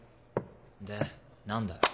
で何だよ。